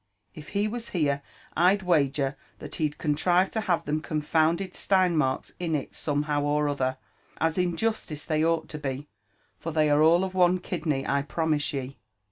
If be waa here, I'd wager that he'd contrive to have them confounded Steinmarks in it somehow or other, as in justice they ought to be ; for they are all of one kidney I pro mise ye."